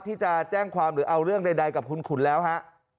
ที่จะแจ้งความหรือเอาเรื่องใดกับคุณขุนแล้วฮะ